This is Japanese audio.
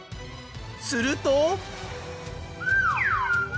すると。